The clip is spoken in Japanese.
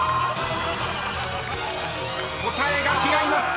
［答えが違います。